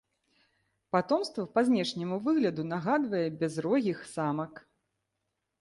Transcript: Патомства па знешняму выгляду нагадвае бязрогіх самак.